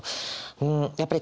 うんやっぱり